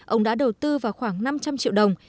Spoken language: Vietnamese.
ông đã đầu tư vào khoảng năm trăm linh triệu đồng